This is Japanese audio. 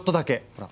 ほら。